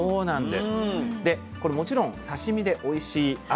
でこれもちろん刺身でおいしいあ